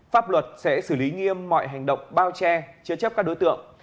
pháp luật sẽ xử lý nghiêm mọi hành động bao che chế chấp các đối tượng